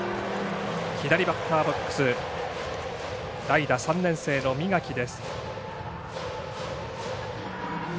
左バッターボックス代打、３年生の三垣です。